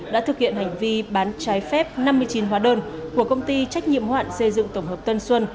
đã thực hiện hành vi bán trái phép năm mươi chín hóa đơn của công ty trách nhiệm hoạn xây dựng tổng hợp tân xuân